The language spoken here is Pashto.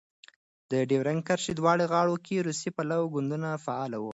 د ډیورند کرښې دواړو غاړو کې روسي پلوی ګوندونه فعال وو.